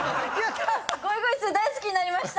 ゴイゴイスー大好きになりました。